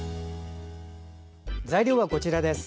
材料はこちらです。